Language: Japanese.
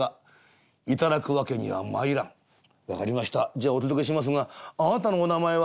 じゃあお届けしますがあなたのお名前は？」。